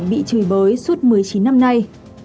bị chửi bới suốt một mươi chín năm nay